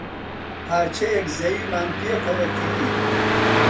پارچەیەک زەویمان پێکەوە کڕی.